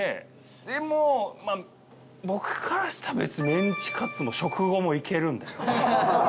でも、僕からしたら、別にメンチカツも食後もいけるんで。